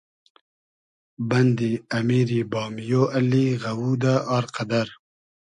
بئندی امیری بامیۉ اللی غئوودۂ ، آر قئدئر